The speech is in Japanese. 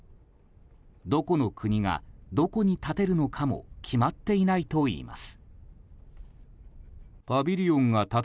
どこの国が、どこに建てるのかも決まっていないといいます。